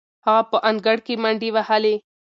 هغه په انګړ کې منډې وهلې.